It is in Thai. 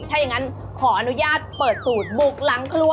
ถ้าอย่างนั้นขออนุญาตเปิดสูตรบุกหลังครัว